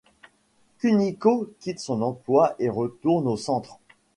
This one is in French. Kuniko quitte son emploi et retourne au centre.